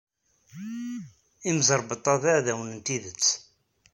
Imẓeṛbeṭṭa d iɛdawen n tidett.